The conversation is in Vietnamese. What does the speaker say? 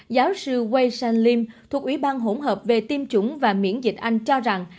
giáo sư wei shan lim thuộc ủy ban hỗn hợp về tiêm chủng và miễn dịch anh cho rằng